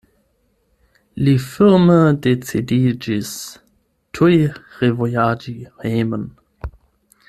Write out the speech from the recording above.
Li firme decidiĝis tuj revojaĝi hejmen.